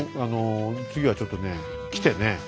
あの次はちょっとね来てね